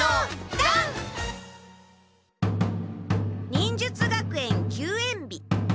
忍術学園休園日。